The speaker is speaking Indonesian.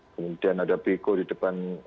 kemudian ada beko di depan